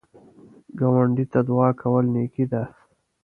ګاونډي ته دعا کول نیکی ده